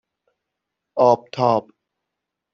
آبتاب